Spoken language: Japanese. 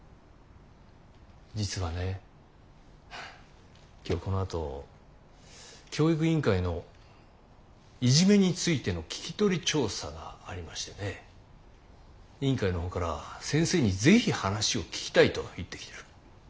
実はね今日このあと教育委員会のいじめについての聞き取り調査がありましてね委員会の方から先生に是非話を聞きたいと言ってきてる。